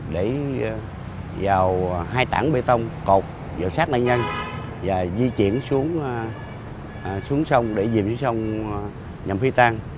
để vào hai tảng bê tông cột vào sát nạn nhân và di chuyển xuống sông để dình sông nhằm phi tan